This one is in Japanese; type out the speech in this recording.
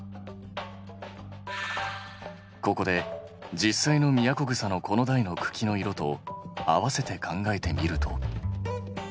ここで実際のミヤコグサの子の代の茎の色と合わせて考えてみると。